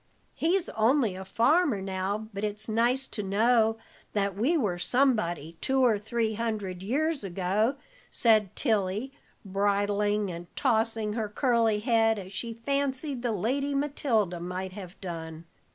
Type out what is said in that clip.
He's only a farmer now, but it's nice to know that we were somebody two or three hundred years ago," said Tilly, bridling and tossing her curly head as she fancied the Lady Matilda might have done.